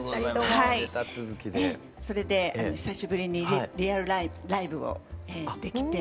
それで久しぶりにリアルライブをできて。